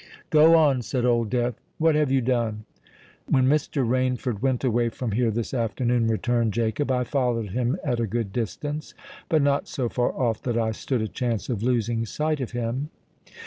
"Go on," said Old Death. "What have you done?" "When Mr. Rainford went away from here this afternoon," returned Jacob, "I followed him at a good distance—but not so far off that I stood a chance of losing sight of him.